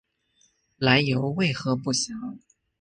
来由为何不详。